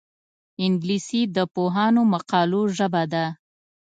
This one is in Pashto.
انګلیسي د پوهانو مقالو ژبه ده